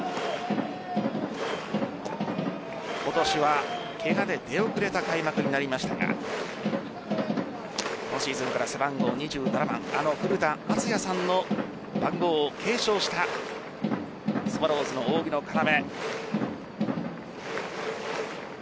今年はケガで出遅れた開幕になりましたが今シーズンから背番号２７番あの古田敦也さんの番号を継承したスワローズの扇の要。